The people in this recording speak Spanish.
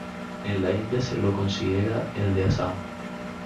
En la India se lo considera el de Assam.